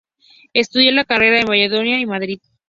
Estudió la carrera en Valladolid y Madrid.